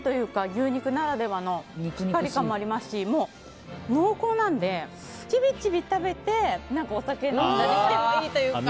牛肉ならではのものもありますし濃厚なので、ちびちび食べてお酒を飲んでもいいというか。